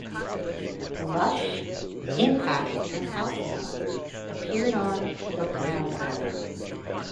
"Lush", "Impact" and "Halcyon" appeared on the "Brown Album".